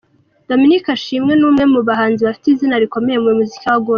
Dominic Ashimwe ni umwe mu bahanzi bafite izina rikomeye mu muziki wa Gospel.